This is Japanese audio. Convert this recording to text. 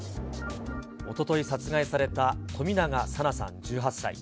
おととい殺害された冨永紗菜さん１８歳。